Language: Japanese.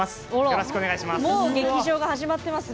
よろしくお願いします。